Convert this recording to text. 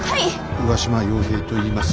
上嶋陽平といいます。